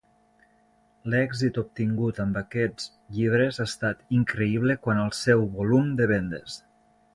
L'èxit obtingut amb aquests llibres ha estat increïble quant al seu volum de vendes.